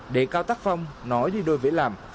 để cao tác phong nói đi đôi vĩ làm